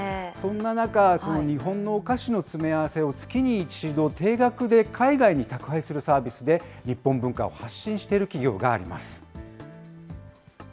そんな中、この日本のお菓子の詰め合わせを月に１度定額で海外に宅配するサービスで、日本文化を発信している企業があります。